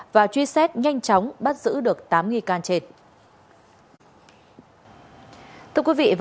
và truy xét nhanh chóng bắt giữ được tám nghi can trên